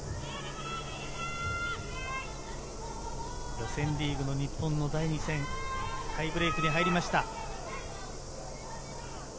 予選リーグの日本の第２戦、タイブレークに入りました。